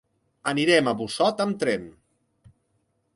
Anirem a Busot amb tren.